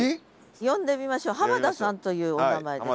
呼んでみましょう濱田さんというお名前です。